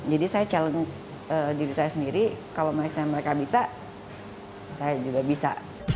jadi saya challenge diri saya sendiri kalau mereka bisa saya juga bisa